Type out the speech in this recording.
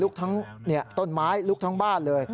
ทั้งต้นไม้ลุกทั้งบ้านเลย